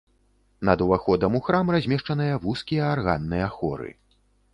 Над уваходам у храм размешчаныя вузкія арганныя хоры.